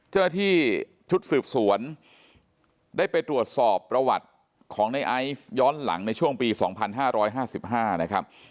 เจ้าหน้าที่ชุดสืบสวนได้ไปตรวจสอบประวัติของในไอซ์ย้อนหลังในช่วงปี๒๕๕๕นะครับ